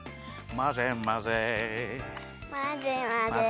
まぜまぜ！